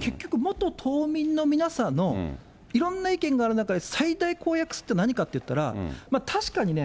結局、元島民の皆さんのいろんな意見がある中で、最大公約数って何かっていったら、確かにね、